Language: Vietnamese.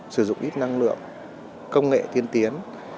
sử dụng ít năng lượng công nghệ tiên tiến